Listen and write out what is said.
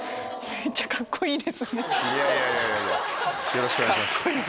よろしくお願いします。